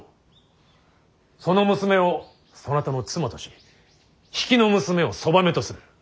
その娘をそなたの妻とし比企の娘をそばめとする。